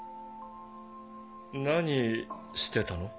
何してたの？